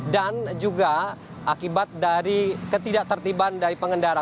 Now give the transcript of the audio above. dan juga akibat dari ketidak tertiban dari pengendara